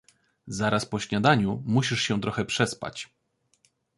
— Zaraz po śniadaniu musisz się trochę przespać.